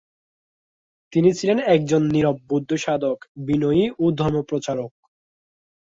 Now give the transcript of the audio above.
তিনি ছিলেন একজন নিরব বৌদ্ধসাধক, বিনয়ী ও ধর্মপ্রচারক।